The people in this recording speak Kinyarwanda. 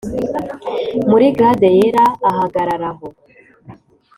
muri glade yera, ahagarara aho,